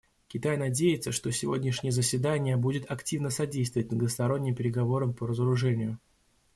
Китай надеется, что сегодняшнее заседание будет активно содействовать многосторонним переговорам по разоружению.